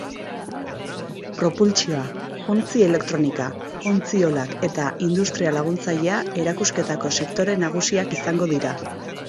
Propultsioa, ontzi-elektronika, ontziolak eta industria laguntzailea erakusketako sektore nagusiak izango dira.